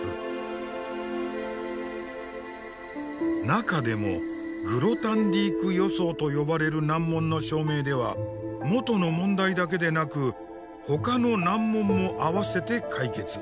中でも「グロタンディーク予想」と呼ばれる難問の証明では元の問題だけでなくほかの難問も合わせて解決。